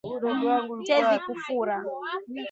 Tezi kufura